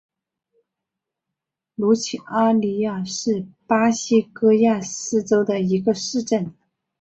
卢齐阿尼亚是巴西戈亚斯州的一个市镇。